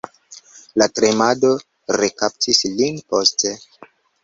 La tremado rekaptis lin poste.